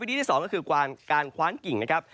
ที่๒ก็คือการคว้านกิ่งนะครับ